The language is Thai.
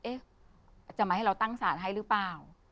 จะมาให้เราตั้งศาลให้หรือเปล่า